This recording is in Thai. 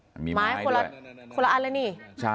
หมายละคนละอะนี่